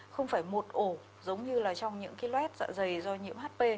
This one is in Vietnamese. không phải một ổ giống như là trong những cái lét dạ dày do nhiễm hp